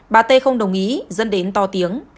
bà t không đồng ý dân đến to tiếng